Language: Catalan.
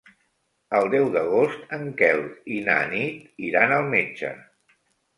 El deu d'agost en Quel i na Nit iran al metge.